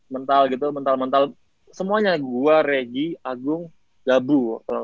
mental gitu mental mental semuanya gue regi agung gabu